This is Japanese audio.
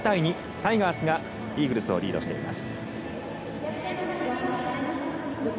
タイガースがイーグルスをリードしています。